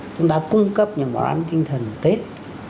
chúng ta cung cấp những món ăn tinh thần tết